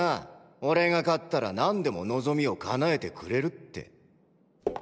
俺が勝ったら何でも望みを叶えてくれるって。